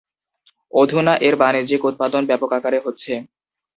অধুনা এর বাণিজ্যিক উৎপাদন ব্যাপক আকারে হচ্ছে।